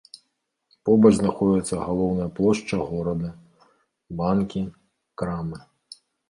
Побач знаходзяцца галоўная плошча горада, банкі, крамы.